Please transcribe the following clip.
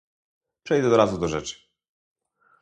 Przejdę od razu do rzeczy